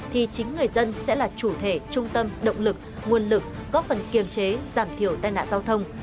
thì chính người dân sẽ là chủ thể trung tâm động lực nguồn lực góp phần kiềm chế giảm thiểu tai nạn giao thông